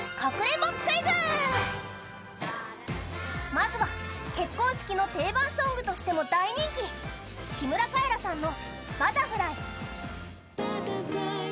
まずは、結婚式の定番ソングとしても大人気、木村カエラさんの「Ｂｕｔｔｅｒｆｌｙ」。